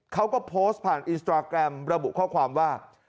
เขาก็โพสต์ผ่านอินสตราแกรมระบุข้อความว่า